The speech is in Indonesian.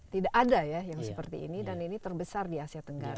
tidak ada ya yang seperti ini dan ini terbesar di asia tenggara